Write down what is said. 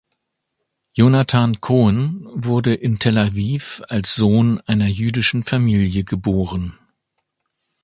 Yonatan Cohen wurde in Tel Aviv als Sohn einer jüdischen Familie geboren.